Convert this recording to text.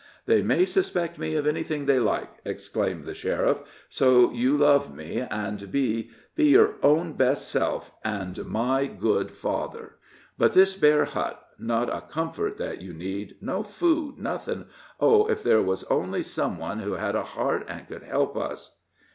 "They may suspect me of anything they like!" exclaimed the sheriff, "so you love me and be be your own best self and my good father. But this bare hut not a comfort that you need no food nothing oh, if there was only some one who had a heart, and could help us!"